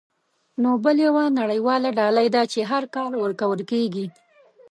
نوبل یوه نړیواله ډالۍ ده چې هر کال ورکول کیږي.